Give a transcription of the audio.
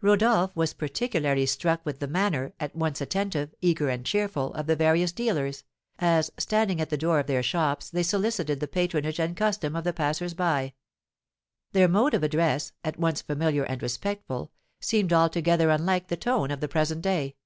Rodolph was particularly struck with the manner, at once attentive, eager, and cheerful, of the various dealers, as, standing at the door of their shops, they solicited the patronage and custom of the passers by. Their mode of address, at once familiar and respectful, seemed altogether unlike the tone of the present day.